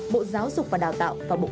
bộ giáo dục và đào tạo và bộ công an